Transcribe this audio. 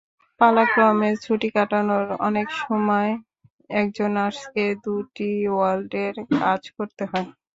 পালাক্রমে ছুটি কাটানোয় অনেক সময় একজন নার্সকেই দুটি ওয়ার্ডের কাজ করতে হয়।